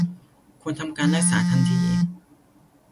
ควรทำการรักษาทันที